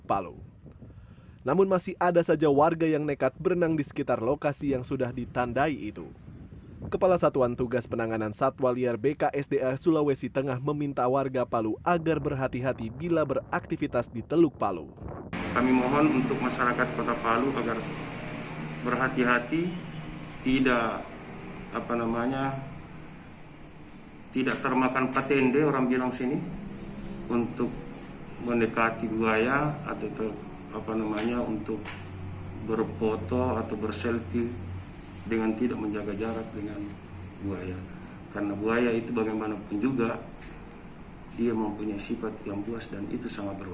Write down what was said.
papan peringatan sudah dipasang di titik titik tertentu